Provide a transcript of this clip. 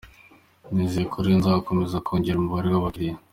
Nizeye rero ko nzakomeza komgera umubare w’abakiliya”.